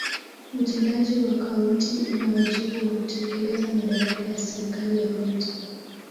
Utendaji wa kaunti una wajibu wa kutekeleza madaraka ya serikali ya kaunti.